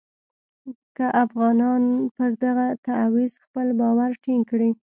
که افغانان پر دغه تعویض خپل باور ټینګ کړي.